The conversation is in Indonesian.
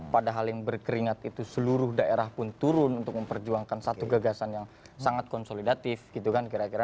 padahal yang berkeringat itu seluruh daerah pun turun untuk memperjuangkan satu gagasan yang sangat konsolidatif gitu kan kira kira